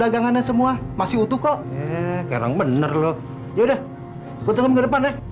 dagangannya semua masih utuh kok ya sekarang bener loh ya udah gue tengok ke depan ya